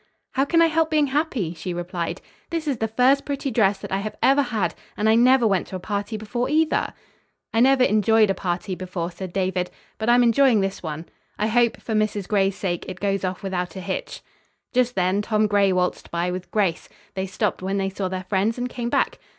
"How can I help being happy?" she replied. "This is the first pretty dress that I have ever had and I never went to a party before, either." "I never enjoyed a party before," said David, "but I'm enjoying this one. I hope, for Mrs. Gray's sake, it goes off without a hitch." Just then Tom Gray waltzed by with Grace. They stopped when they saw their friends, and came back.